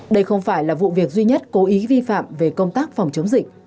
đây không phải là vụ việc duy nhất cố ý vi phạm về công tác phòng chống dịch